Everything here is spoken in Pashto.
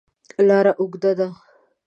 لاره اوږده ده.